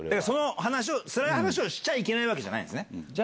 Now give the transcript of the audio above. その話をしちゃいけないわけじゃないんですね？